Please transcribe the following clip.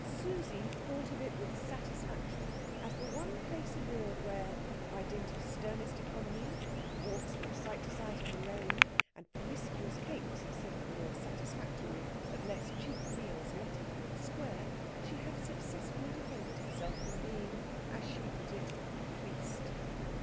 Susie thought of it with satisfaction as the one place abroad where, by dint of sternest economy, walks from sight to sight in the rain, and promiscuous cakes instead of the more satisfactory but less cheap meals Letty called square, she had successfully defended herself from being, as she put it, fleeced.